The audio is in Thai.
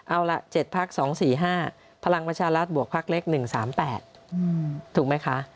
เอาละ๗พัก๒๔๕พลังประชารัฐบวกพักเล็ก๑๓๘ถูกไหมคะ